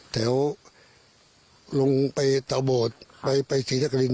หลงไปต่อโบฏไปศิลป์ทักริณ